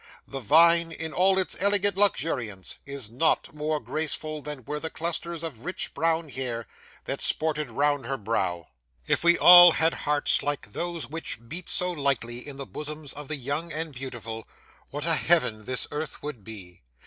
The vine, in all its elegant luxuriance, is not more graceful than were the clusters of rich brown hair that sported round her brow. 'If we all had hearts like those which beat so lightly in the bosoms of the young and beautiful, what a heaven this earth would be!